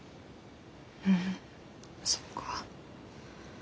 うんそっか。